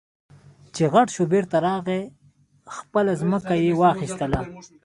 چې غټ شو بېرته راغی خپله ځمکه يې واخېستله.